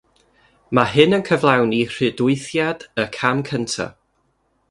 Mae hyn yn cyflawni rhydwythiad y cam cyntaf.